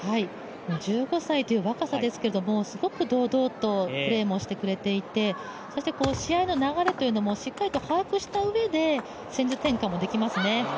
１５歳という若さですけど、すごく堂々とプレーもしていてそして試合の流れというのもしっかり把握した上で戦術転換もできますね。